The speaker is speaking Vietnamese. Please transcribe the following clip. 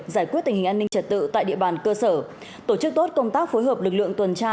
giải quyết tình hình an ninh trật tự tại địa bàn cơ sở tổ chức tốt công tác phối hợp lực lượng tuần tra